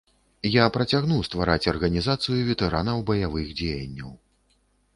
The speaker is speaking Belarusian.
Я працягну ствараць арганізацыю ветэранаў баявых дзеянняў.